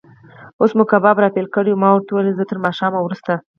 اوس مو کباب را پیل کړی و، ما ورته وویل: زه تر ماښام وروسته.